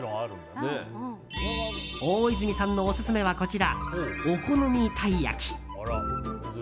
大泉さんのオススメはこちらお好み鯛焼き。